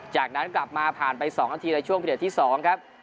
จากนั้นกลับมาผ่านไป๒นาทีในช่วงพิเศษที่๒ครับ